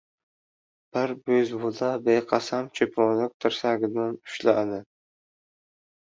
Bir bo‘zbola beqasam choponlik tirsagidan ushladi.